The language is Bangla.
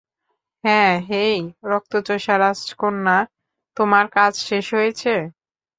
হ্যাঁ হেই, রক্তচোষা রাজকন্যা, তোমার কাজ শেষ হয়েছে?